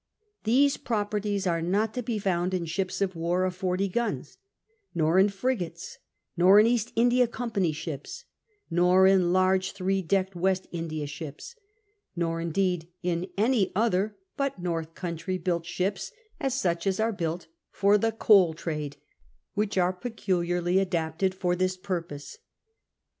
These properties are not to be found in ships of war of forty guns, nor in frigates, nor in East India Company's ships, nor in large three decked West India ships, nor indeed in any other but North country built ships, as such as are built for the coal trade, which are peculiarly adapted for this purpose.